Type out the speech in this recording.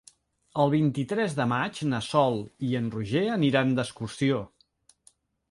El vint-i-tres de maig na Sol i en Roger aniran d'excursió.